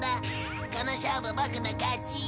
この勝負ボクの勝ち！